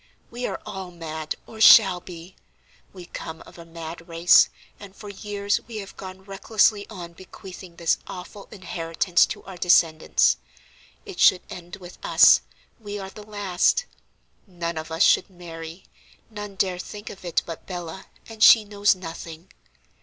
We are all mad, or shall be; we come of a mad race, and for years we have gone recklessly on bequeathing this awful inheritance to our descendants. It should end with us, we are the last; none of us should marry; none dare think of it but Bella, and she knows nothing.